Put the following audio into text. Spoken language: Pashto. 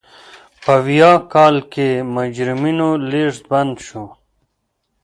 په ویاه کال کې مجرمینو لېږد بند شو.